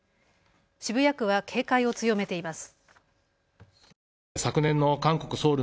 渋谷区は警戒を強めています。